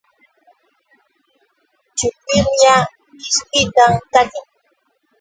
Chupiqla mishkita takin.